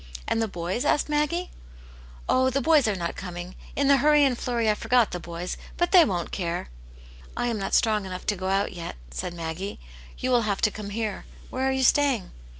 " And the boys ?" asked Maggie. "Oh, the boys are not coming. In the hurry ^ and flurry I forgot the boys. But they won't care." '*I am not strong enough to go out yet," said Maggie ;" you will have to come here. Where are you staying